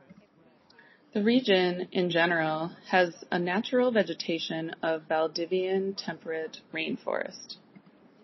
The region, in general, has a natural vegetation of Valdivian temperate rain forest.